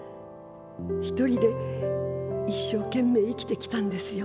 ひとりで一生懸命生きてきたんですよ。